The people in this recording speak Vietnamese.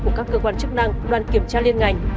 của các cơ quan chức năng đoàn kiểm tra liên ngành